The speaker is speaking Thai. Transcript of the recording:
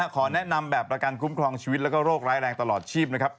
ขอแนะนำแบบประกันคุ้มครองชีวิตแล้วก็โรคร้ายแรงตลอดชีพนะครับ